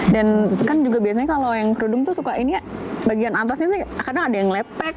dan kan juga biasanya kalau yang kerudung tuh suka ini ya bagian atasnya kadang ada yang lepek